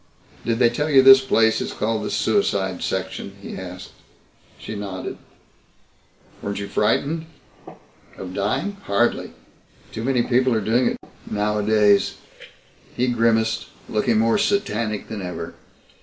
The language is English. "Did they tell you this place is called the suicide section?" he asked. She nodded. "Weren't you frightened?" "Of dying? Hardly. Too many people are doing it nowadays." He grimaced, looking more satanic than ever.